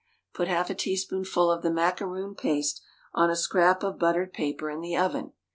Put half a teaspoonful of the macaroon paste on a scrap of buttered paper in the oven.